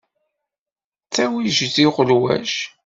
D tawejjiṭ uqelwac.